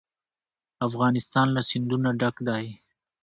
افغانستان له سیندونه ډک دی.